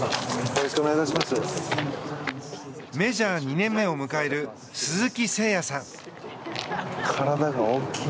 メジャー２年目を迎える鈴木誠也さん。